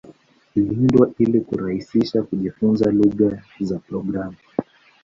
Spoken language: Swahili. Iliundwa ili kurahisisha kujifunza lugha za programu.